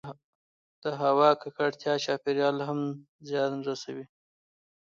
د هـوا کـکړتـيا چاپـېريال ته هم زيان رسـوي